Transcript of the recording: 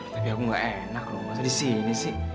tapi aku gak enak loh maksudnya di sini sih